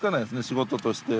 仕事として。